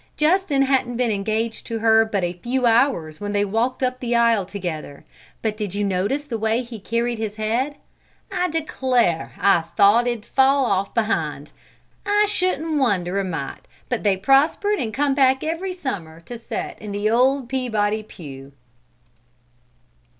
Justin hadn't been engaged to her but a few hours when they walked up the aisle together, but did you notice the way he carried his head? I declare I thought 't would fall off behind! I shouldn't wonder a mite but they prospered and come back every summer to set in the old Peabody Pew."